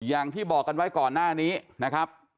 อย่างที่บอกกันไว้ก่อนหน้านี้นะครับ